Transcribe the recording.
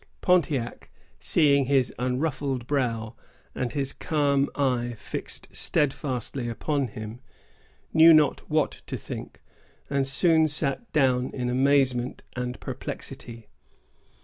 Pontiac, seeing his unruffled brow and his calm eye fixed steadfastly upon him, knew not what to think, and soon sat down in amazement and perplexity.